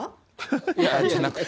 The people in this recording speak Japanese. いや、じゃなくて。